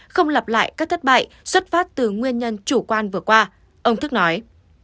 không lặp lại các thất bại xuất phát từ nguyên nhân chủ quan vừa qua ông thức nói